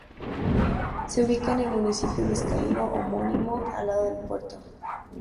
Se ubica en el municipio vizcaíno homónimo, al lado del puerto.